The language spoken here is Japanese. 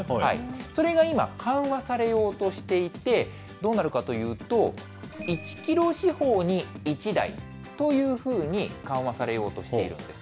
それが今、緩和されようとしていて、どうなるかというと、１キロ四方に１台というふうに緩和されようとしているんです。